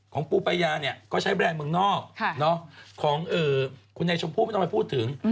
ของปูปายาก็ใช้แบรนด์เมืองนอกของคุณแนคชมพูนไม่ต้องไปพูดถึง